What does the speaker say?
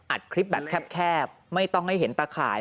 อัดคลิปแบบแคบไม่ต้องให้เห็นตาข่าย